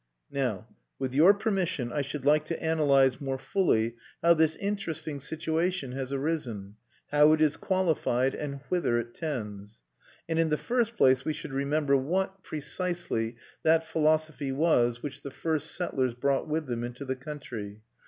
Now, with your permission, I should like to analyse more fully how this interesting situation has arisen, how it is qualified, and whither it tends. And in the first place we should remember what, precisely, that philosophy was which the first settlers brought with them into the country.